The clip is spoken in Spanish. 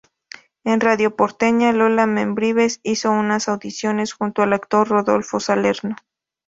En Radio Porteña Lola Membrives, hizo unas audiciones junto al actor Rodolfo Salerno.